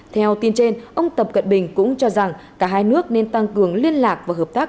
theo tin trên ông tập cận bình cũng cho rằng cả hai nước nên tăng cường liên lạc và hợp tác